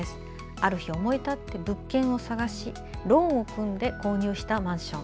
ある日、思い立って物件を探しローンを組んで購入したマンション。